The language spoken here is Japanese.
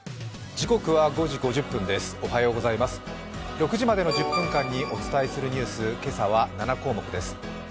６時までの１０分間にお伝えするニュース、今朝は７項目です。